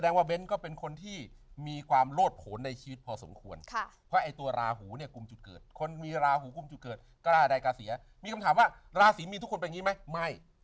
ราศรีมีนทุกคนเป็นอย่างนี้ไหมไม่